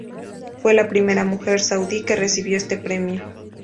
Fue la primera mujer saudí que recibió este premio.